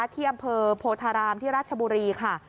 ที่อำเภอโพธารามที่ราชบุรีค่ะ